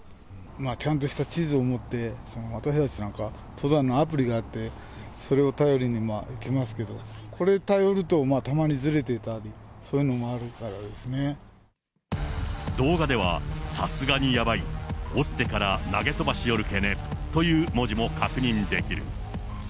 ちゃんとした地図を持って、私たちなんか、登山のアプリがあって、それを頼りに来ますけど、これ頼ると、たまにずれてたり、動画では、さすがにやばい、おってから投げ飛ばしよるけねという文字も確認できる。